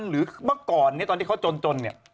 หรือเมื่อก่อนตอนที่เขาจนเนี่ย